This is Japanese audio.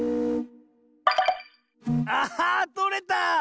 あっとれた！